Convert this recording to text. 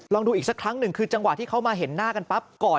ลองดูอีกสักครั้งหนึ่งคือจังหวะที่เขามาเห็นหน้ากันปั๊บก่อน